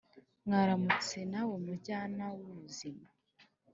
waramutse nawe mujyana wubuzima?